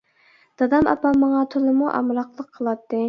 دادام ئاپام ماڭا تولىمۇ ئامراقلىق قىلاتتى.